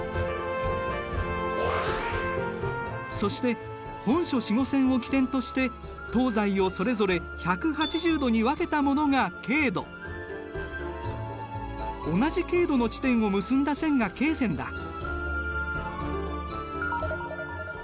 そして本初子午線を基点として東西をそれぞれ１８０度に分けたものが経度同じ経度の地点を結んだ線が経線だ。